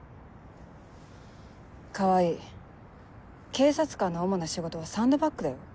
警察官の主な仕事はサンドバッグだよ。